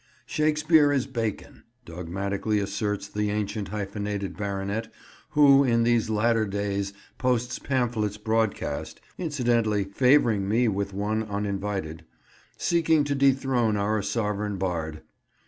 "Shakespeare is Bacon," dogmatically asserts the ancient hyphenated baronet who in these latter days posts pamphlets broadcast (incidentally favouring me with one, uninvited) seeking to dethrone our sovereign bard.